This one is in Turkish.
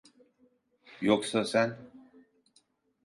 Yoksa sen…